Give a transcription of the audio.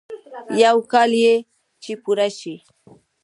يو کال يې چې پوره شي.